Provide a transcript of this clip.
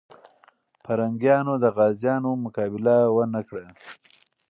پرنګیان د غازيانو مقابله ونه کړه.